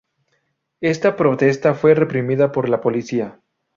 Esta protesta fue reprimida por la policía.